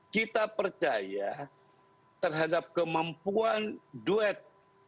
kita percaya terhadap kemampuan duet